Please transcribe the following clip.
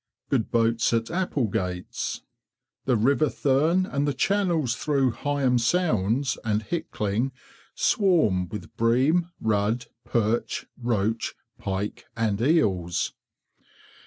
Good boats at Applegate's. The river Thurne and the channels through Heigham Sounds and Hickling swarm with bream, rudd, perch, roach, pike, and eels.